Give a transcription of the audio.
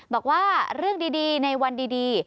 บอกว่าเรื่องดีในวันดี